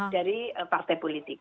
dari partai politik